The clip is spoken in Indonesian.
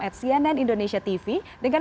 at cnn indonesia tv dengan